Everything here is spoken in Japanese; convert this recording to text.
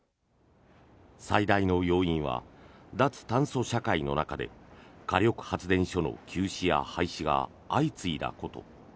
最大の要因は脱炭素社会の中で火力発電所の休止や廃止が相次いだこと。